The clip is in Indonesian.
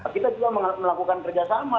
kita juga melakukan kerjasama